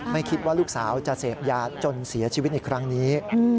ไม่คิดว่าลูกสาวจะเสพยาจนเสียชีวิตในครั้งนี้